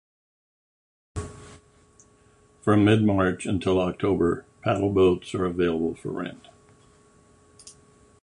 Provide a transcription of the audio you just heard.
From mid-March until October, paddle-boats are available for rent.